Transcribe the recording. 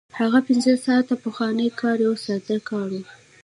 هغه پنځه ساعته پخوانی کار یو ساده کار و